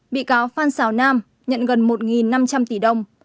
bị cáo phan xào nam nhận gần một năm trăm linh tỷ đồng